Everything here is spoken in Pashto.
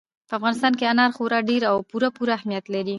په افغانستان کې انار خورا ډېر او پوره پوره اهمیت لري.